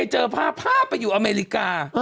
ฮึ่ย